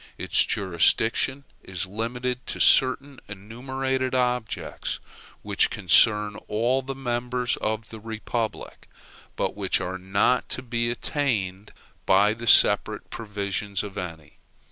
Its jurisdiction is limited to certain enumerated objects, which concern all the members of the republic, but which are not to be attained by the separate provisions of any.